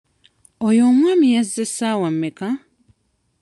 Oyo omwami yazze ssaawa mmeka?